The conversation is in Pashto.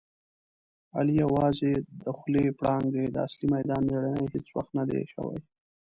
علي یووازې د خولې پړانګ دی. د اصلي میدان مېړنی هېڅ وخت ندی شوی.